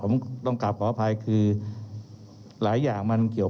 เรามีการปิดบันทึกจับกลุ่มเขาหรือหลังเกิดเหตุแล้วเนี่ย